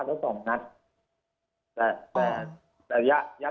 อยู่แต่การที่เคยเห็นแล้วเพราะว่า